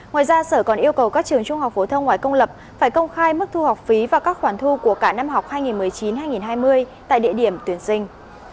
ngoài ra sở còn yêu cầu các trường trung học phổ thông ngoại công lập phải công khai mức thu học phí và các khoản thu của cả năm học hai nghìn một mươi chín hai nghìn hai mươi tại địa điểm tuyển sinh